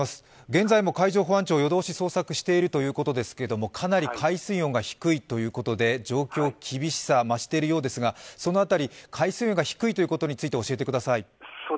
現在も海上保安庁、夜通し捜索しているということですが、かなり海水温が低いということで、状況は厳しさが増しているようですが、その辺り、海水温が低いということについて教えてください。